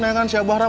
nih siapa itu